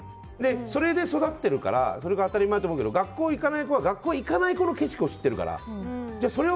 それで育ってるからそれが当たり前だと思うけど学校に行かない子は学校に行かないこの景色を知っているから。